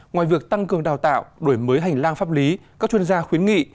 ngoài việc tăng cường đào tạo đổi mới hành lang pháp lý các chuyên gia khuyến nghị